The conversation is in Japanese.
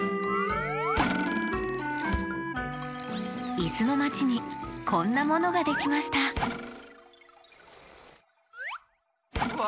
いすのまちにこんなものができましたわあ。